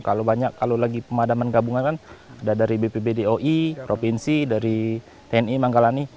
kalau banyak kalau lagi pemadaman gabungan kan ada dari bpbd oi provinsi dari tni manggalani